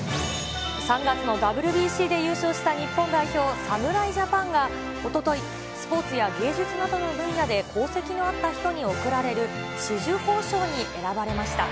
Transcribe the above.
３月のＷＢＣで優勝した日本代表、侍ジャパンがおととい、スポーツや芸術などの分野で功績のあった人に贈られる紫綬褒章に選ばれました。